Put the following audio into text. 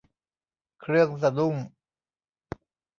เครื่องสะดุ้ง